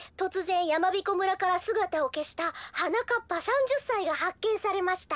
やまびこ村からすがたをけしたはなかっぱ３０さいがはっけんされました」。